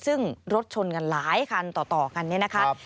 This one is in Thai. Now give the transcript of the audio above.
ซึ่งรถชนกันหลายคันต่อคันนี้นะครับ